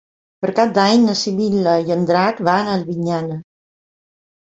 Per Cap d'Any na Sibil·la i en Drac van a Albinyana.